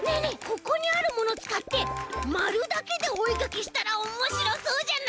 ここにあるものつかってまるだけでおえかきしたらおもしろそうじゃない？